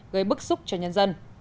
gây bức xúc cho nhân dân